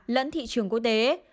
lẫn thị trường quốc tế